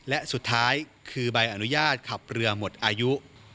และสุดท้ายคือใบอนุญาตขับเรือหมดอายุ